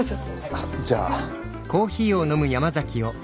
あっじゃあ。